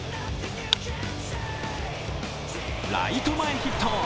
ライト前ヒット。